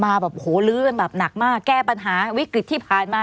แบบโหลื้อกันแบบหนักมากแก้ปัญหาวิกฤตที่ผ่านมา